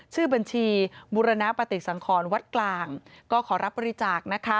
ชื่อบัญชีบุรณปฏิสังครวัดกลางก็ขอรับบริจาคนะคะ